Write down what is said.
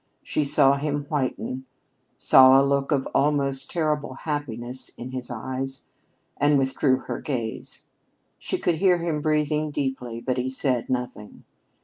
She saw him whiten, saw a look of almost terrible happiness in his eyes, and withdrew her gaze. She could hear him breathing deeply, but he said nothing.